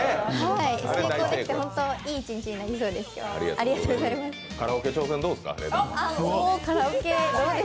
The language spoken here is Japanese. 成功できて、ホント、いい一日になりそうです。